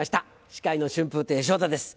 司会の春風亭昇太です